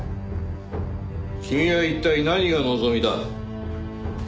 君は一体何が望みだ？